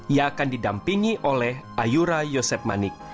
ia akan didampingi oleh ayura yosep manik